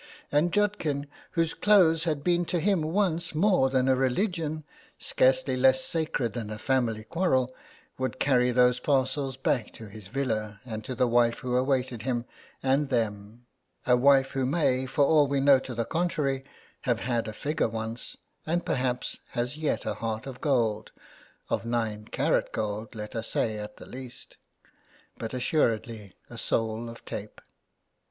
And Judkin, whose clothes had been to him once more than a religion, scarcely less sacred than a family quarrel, would carry those parcels back to his villa and to the wife who awaited him and them — a wife who may, for all we know to the contrary, have had a figure once, and perhaps has yet a heart of gold — of nine carat gold, let us say at the least — but assuredly a soul of tape.